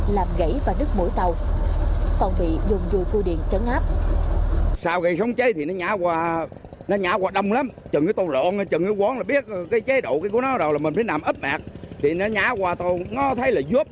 làm gãy và đứt mũi tàu còn bị dùng dùi cua điện trấn áp